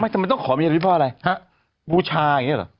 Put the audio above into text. ทำไมต้องขอมีอะไรบูชาอย่างนี้หรอ